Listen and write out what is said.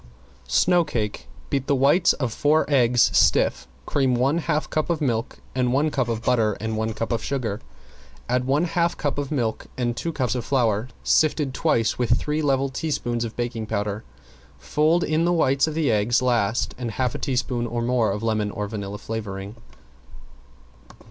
~SNOW CAKE~ Beat the white of four eggs stiff. Cream one half cup of milk and one cup of butter and one cup of sugar, add one half cup of milk and two cups of flour sifted twice with three level teaspoons of baking powder. Fold in the whites of the eggs last and half a teaspoon or more of lemon or vanilla flavoring.